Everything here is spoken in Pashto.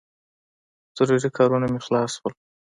ضروري کارونه مې خلاص شول.